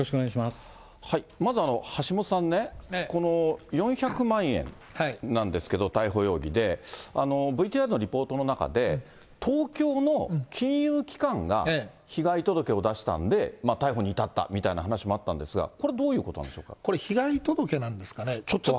まず橋下さんね、この４００万円なんですけど、逮捕容疑で、ＶＴＲのリポートの中で、東京の金融機関が被害届を出したんで、逮捕に至ったみたいな話もあったんですが、これ、どういうことなこれ、被害届なんですかね。